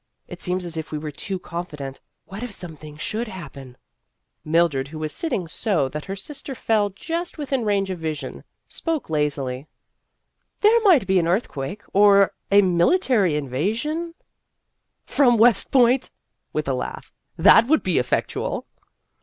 It seems as if we were too confident. What if something should happen ?" Mildred, who was sitting so that her sis ter fell just within range of vision, spoke lazily: " There might be an earthquake, or a military invasion " From West Point ?" with a laugh ;" that would be effectual."